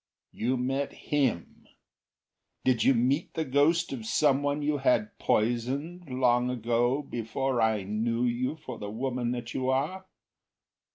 "You met him? Did you meet the ghost of someone you had poisoned, Long ago, before I knew you for the woman that you are?